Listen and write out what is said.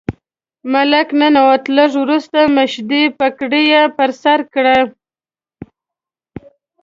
ملک ننوت، لږ وروسته مشدۍ پګړۍ یې پر سر کړه.